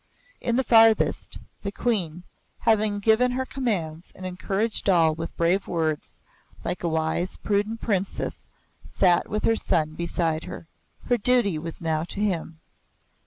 In the farthest, the Queen, having given her commands and encouraged all with brave words, like a wise, prudent princess, sat with her son beside her. Her duty was now to him.